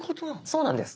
そうなんです。